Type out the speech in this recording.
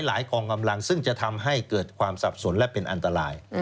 กองกำลังซึ่งจะทำให้เกิดความสับสนและเป็นอันตราย